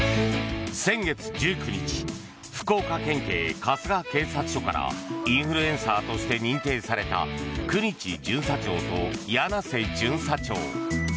先月１９日福岡県警春日警察署からインフルエンサーとして認定された九日巡査長と柳瀬巡査長。